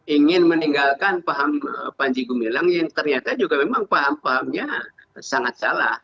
ingin meninggalkan paham panji gumilang yang ternyata juga memang paham pahamnya sangat salah